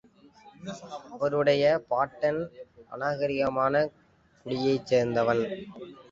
அவருடைய பாட்டன் அநாகரீகமான குடியைச் சேர்ந்தவன்.